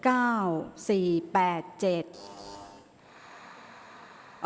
ออกรางวัลที่๖เลขที่๗